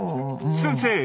先生！